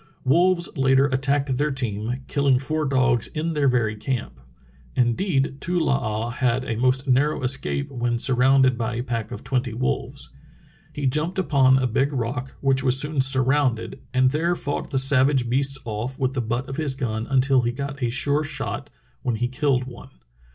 Wolves later attacked their team, killing four dogs in their very camp. Indeed, Too Ioo ah had a most narrow escape when surrounded by a pack of twenty wolves. "He jumped upon a big rock, which was soon surrounded, and there fought the sav age beasts off with the butt of his gun until he got a sure shot, when he killed one.